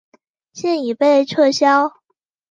现已被撤销。